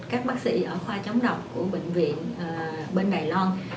các bác sĩ ở khoa chống độc của bệnh viện bên đài loan